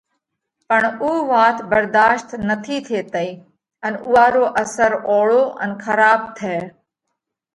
پڻ اُو وات ڀرڌاشت نٿِي ٿيتئِي ان اُوئا رو اثر اوۯو ان کراٻ تئه۔